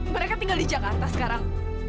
mereka tinggal di jakarta sekarang